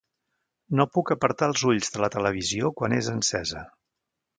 No puc apartar els ulls de la televisió quan és encesa.